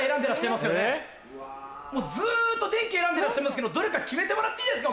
もうずっと電器選んでらっしゃいますけどどれか決めてもらっていいですか？